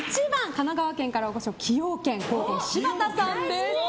神奈川県からのお越しの崎陽軒広報、柴田さんです。